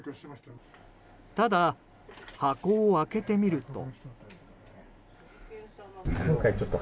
ただ、箱を開けてみると。